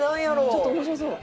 「ちょっと面白そう」